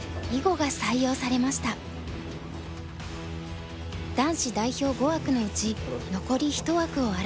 男子代表５枠のうち残り１枠を争った一戦。